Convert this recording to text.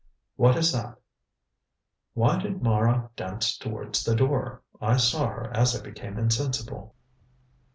"What is that?" "Why did Mara dance towards the door. I saw her as I became insensible."